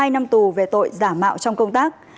một mươi hai năm tù về tội giả mạo trong công tác